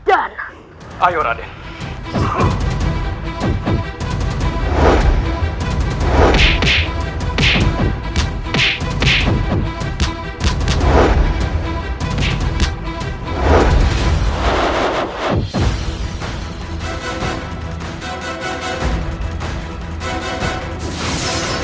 kalau kau datang ke laut